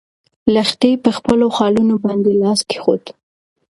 لښتې په خپلو خالونو باندې لاس کېښود.